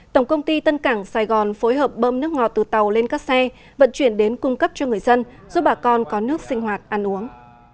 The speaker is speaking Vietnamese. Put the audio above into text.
tổng công ty tân cảng sài gòn phối hợp bơm nước ngọt từ tàu lên các xe vận chuyển đến cung cấp cho người dân giúp bà con có nước sinh hoạt ăn uống